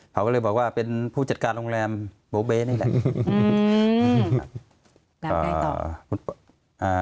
เขาก็เลยบอกว่าเป็นผู้จัดการโรงแรมโบเบนี่แหละ